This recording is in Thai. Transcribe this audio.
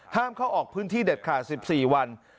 ห้ามเข้าออกพื้นที่เด็ดขาด๑๔วัน